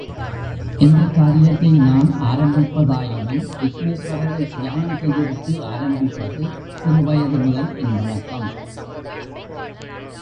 எந்தக் காரியத்தை நான் ஆரம்பிப்பதாயினும் விக்னேஸ்வரரைத் தியானம் செய்துவிட்டு ஆரம்பிப்பது சிறு வயது முதல் என் வழக்கம்.